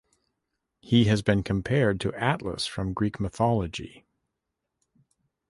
He has been compared to Atlas from Greek mythology.